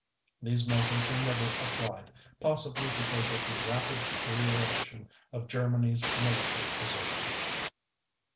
These measures were never applied, possibly because of the rapid deterioration of Germany's military position.